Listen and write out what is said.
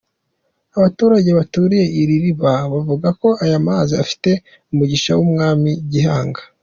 Abaturage baturiye iri riba bavuga ko aya mazi afite umugisha w’Umwami Gihanga.